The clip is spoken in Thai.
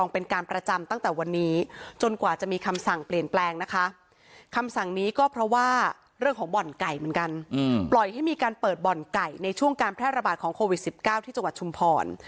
เพราะว่าเรื่องของบ่อนไก่เหมือนกันปล่อยให้มีการเปิดบ่อนไก่ในช่วงการแพร่ระบาดของโควิด๑๙ที่จังหวัดชุมพร